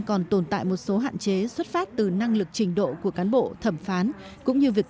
còn tồn tại một số hạn chế xuất phát từ năng lực trình độ của cán bộ thẩm phán cũng như việc